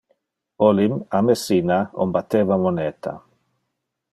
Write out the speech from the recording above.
Olim a Messina on batteva moneta.